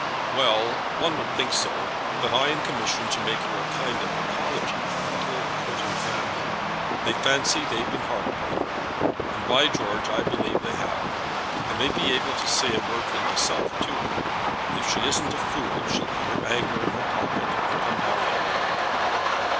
"Well; one would think so; but I am commissioned to make her a kind of apology from the whole Courton family. They fancy they've been hard upon her; and, by George, I believe they have. I may be able to say a word for myself too. If she isn't a fool she'll put her anger in her pocket, and come down to you."